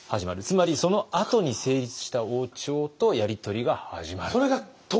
つまりそのあとに成立した王朝とやり取りが始まると。